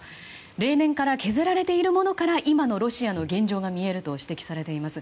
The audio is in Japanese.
例年から削られているものから今のロシアの現状が見えると指摘されています。